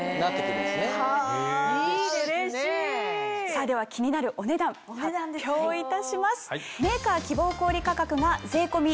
さぁでは気になるお値段発表いたします。